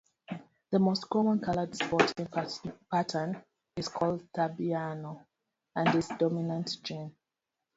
The most common coloured spotting pattern is called tobiano, and is a dominant gene.